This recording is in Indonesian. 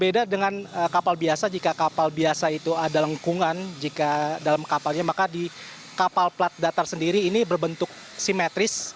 dan kapal biasa jika kapal biasa itu ada lengkungan jika dalam kapalnya maka di kapal plat datar sendiri ini berbentuk simetris